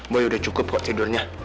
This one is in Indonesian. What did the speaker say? boy udah cukup kok tidurnya